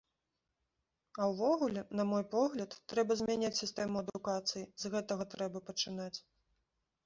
А ўвогуле, на мой погляд, трэба змяняць сістэму адукацыі, з гэтага трэба пачынаць.